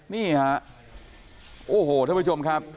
นี่ค่ะโอ้โหเพื่อชมครับ